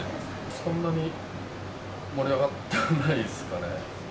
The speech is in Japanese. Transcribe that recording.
そんなに盛り上がってはないですかね。